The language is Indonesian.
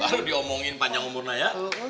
baru diomongin panjang umurnah ya